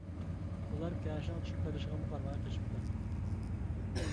ئۇلار كەشىنىڭ چۈشۈپ قېلىشىغىمۇ قارىماي قېچىپتۇ.